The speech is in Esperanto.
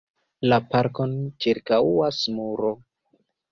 La parkon ĉirkaŭas muro.